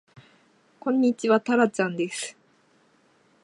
こんにちはたらちゃんです